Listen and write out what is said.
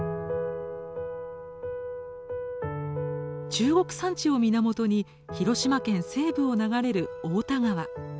中国山地を源に広島県西部を流れる太田川。